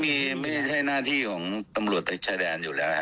มันไม่มีไม่ใช่หน้าที่ของตำรวจชายแดนอยู่แล้วครับ